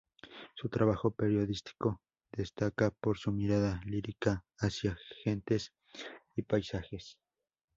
Su trabajo periodístico destaca por su mirada lírica hacia gentes y paisajes.